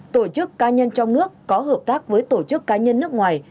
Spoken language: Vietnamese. tổ chức cá nhân trong nước có hợp tác với tổ chức cá nhân nước ngoài